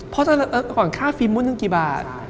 เพราะตอนนั้นฟิล์มโมทนึงกี่บาท